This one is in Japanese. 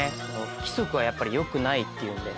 不規則はやっぱりよくないっていうので。